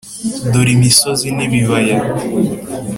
dore imisozi n’ibibaya